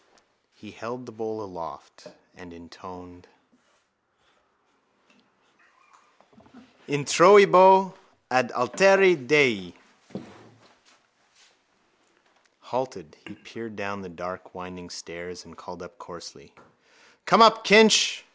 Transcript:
He held the bowl aloft and intoned: —Introibo ad altare Dei. Halted, he peered down the dark winding stairs and called out coarsely: —Come up, Kinch!